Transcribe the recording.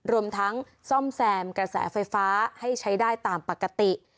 รวมทั้งซ่อมแซมกระแสไฟฟ้าให้ใช้ได้ตามปกติ